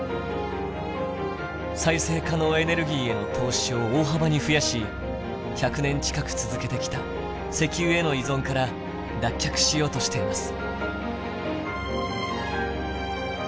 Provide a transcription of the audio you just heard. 再生可能エネルギーへの投資を大幅に増やし１００年近く続けてきた「石油への依存」から脱却しようとしています。